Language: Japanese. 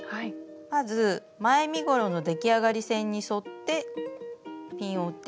まず前身ごろの出来上がり線に沿ってピンを打って印を付けます。